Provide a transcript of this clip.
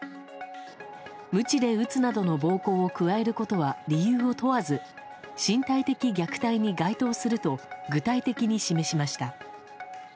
ムチで打つなどの暴行を加えることは理由を問わず身体的虐待に該当すると具体的に示しました。